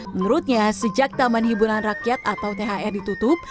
menurutnya sejak taman hiburan rakyat atau thr ditutup